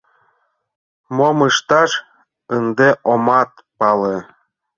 Мом ышташ — ынде омат пале.